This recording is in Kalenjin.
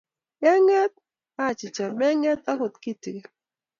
"kenget?"Achicha, mangeet agot kitingin